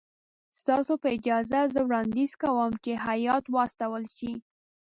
ستاسو په اجازه زه وړاندیز کوم چې هیات واستول شي.